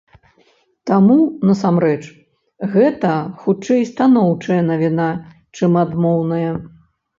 Таму, насамрэч, гэта, хутчэй, станоўчая навіна, чым адмоўная.